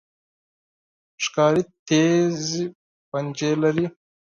ښکاري تیز پنجې لري.